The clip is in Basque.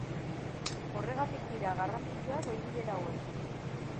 Horregatik dira garrantzitsuak goi-bilera hauek.